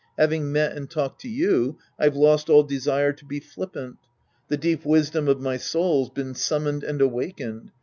Having met and talked to you, I've lost all desire to be flippant. The deep wisdom of my soul's been summoned and awaken ed.